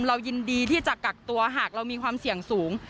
เรายินดีที่จะกักตัวหากเรามีความเสี่ยงสูง